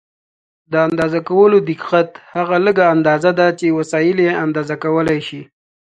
د اندازه کولو دقت هغه لږه اندازه ده چې وسایل یې اندازه کولای شي.